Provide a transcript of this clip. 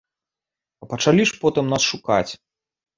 А пачалі ж потым нас шукаць.